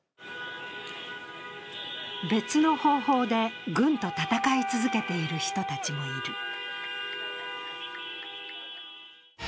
別の方法で軍と戦い続けている人たちもいる。